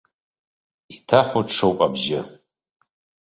Иҭахәаҽуп абжьы.